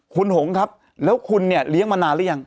คุณหงครับแล้วคุณเนี่ยเลี้ยงมานานหรือยัง